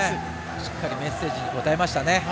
しっかりメッセージに応えましたね。